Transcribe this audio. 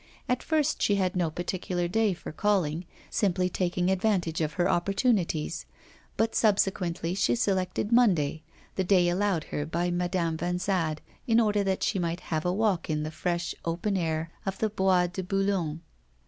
At first she had no particular day for calling, simply taking advantage of her opportunities; but subsequently she selected Monday, the day allowed her by Madame Vanzade in order that she might have a walk in the fresh, open air of the Bois de Boulogne.